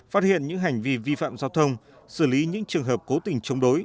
phát hiện những hành vi vi phạm giao thông xử lý những trường hợp cố tình chống đối